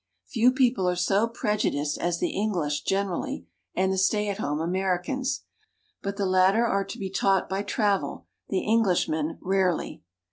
Few people are so prejudiced as the English generally, and the stay at home Americans; but the latter are to be taught by travel, the Englishman rarely.